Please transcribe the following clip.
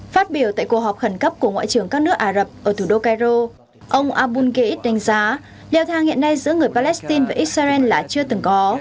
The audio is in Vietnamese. phát biểu tại cuộc họp khẩn cấp của ngoại trưởng các nước ả rập ở thủ đô cairo ông aboulgeid đánh giá leo thang hiện nay giữa người palestine và israel là chưa từng có